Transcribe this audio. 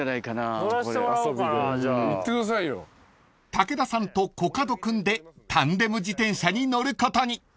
［武田さんとコカド君でタンデム自転車に乗ることに］